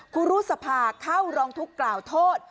ครูรุษภาเข้าร้องทุกข์กล่าวโทษ